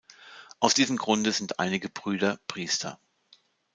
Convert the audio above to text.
Aus diesem Grunde sind einige Brüder Priester.